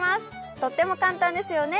とっても簡単ですよね。